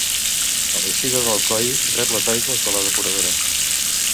A l'eixida d'Alcoi rep les aigües de la depuradora.